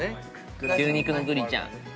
牛肉のグリちゃん。